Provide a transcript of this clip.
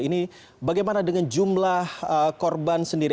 ini bagaimana dengan jumlah korban sendiri